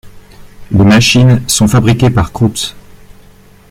Les machines sont fabriquées par Krups.